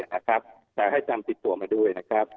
แต่ให้จำติดตัวมาด้วยนะครับ